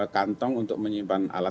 kantong untuk menyimpan